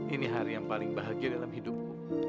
ini hari yang paling bahagia dalam hidupku